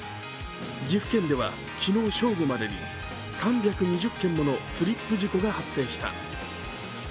岐阜県では昨日正午までに３２０件ものスリップ事故が発生した。